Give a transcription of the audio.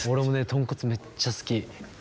とんこつめっちゃ好き。